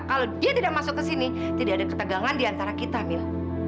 kalau dia tidak masuk kesini tidak ada ketegangan di antara kita mil